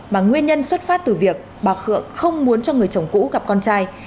mà nguyên nhân xuất phát từ việc bà khương không muốn cho người chồng cũ gặp con trai